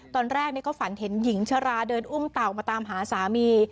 ตอนแรกก็ฝันเห็นหญิงชราเดินอุ้มเต่ามาตามหาสามี